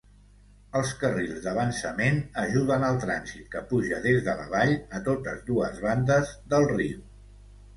Els carrils d'avançament ajuden el trànsit que puja des de la vall a totes dues bandes del riu.